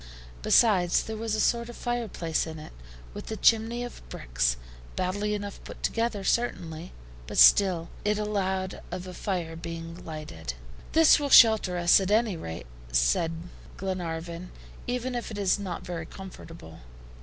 Besides, there was a sort of fireplace in it, with a chimney of bricks, badly enough put together, certainly, but still it allowed of a fire being lighted. "This will shelter us, at any rate," said Glenarvan, "even if it is not very comfortable.